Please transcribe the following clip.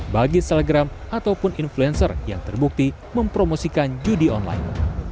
bagi selegram ataupun influencer yang terbukti mempromosikan judi online